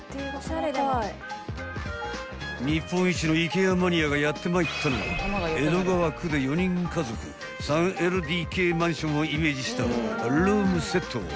［日本一のＩＫＥＡマニアがやってまいったのは江戸川区で４人家族３ＬＤＫマンションをイメージしたルームセット］